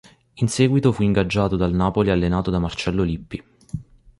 In seguito fu ingaggiato dal Napoli allenato da Marcello Lippi.